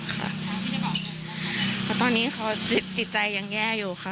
ค่ะเพราะตอนนี้เขาจิตใจยังแย่อยู่ค่ะ